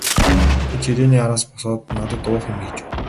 Тэр ширээний араас босоод надад уух юм хийж өгөв.